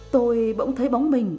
tôi bỗng thấy bóng mình